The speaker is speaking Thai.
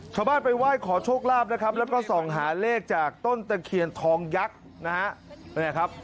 ชาวบ้านไปไหว้ขอโชคลาภนะครับแล้วก็ส่องหาเลขจากต้นตะเคียนทองยักษ์นะฮะ